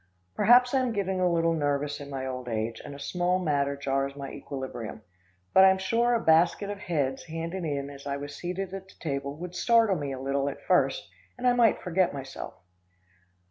Perhaps I'm getting a little nervous in my old age, and a small matter jars my equilibrium; but I'm sure a basket of heads handed in as I was seated at the table would startle me a little at first, and I might forget myself.